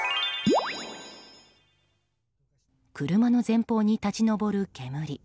車の前方に立ち上る煙。